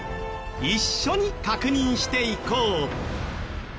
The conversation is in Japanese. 一緒に確認していこう。